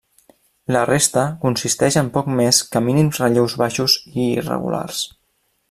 La resta consisteix en poc més que mínims relleus baixos i irregulars.